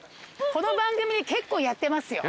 この番組で結構やってますよ。